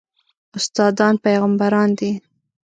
استادان پېغمبران دي